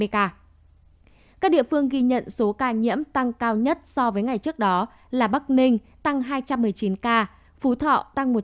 các địa phương ghi nhận số ca nhiễm tăng cao nhất so với ngày trước đó là bắc ninh tăng hai trăm một mươi chín ca phú thọ tăng một trăm linh